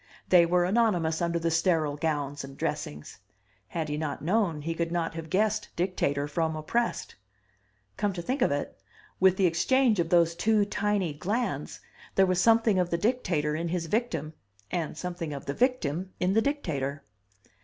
They were anonymous under the sterile gowns and dressings. Had he not known, he could not have guessed dictator from oppressed. Come to think of it, with the exchange of those two tiny glands there was something of the dictator in his victim and something of the victim in the dictator.